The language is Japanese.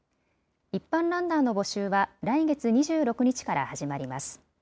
一般ランナーの募集は来月２６日から始まります。